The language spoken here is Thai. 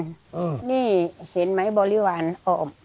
อืมนี่เห็นไหมบริวารรอบ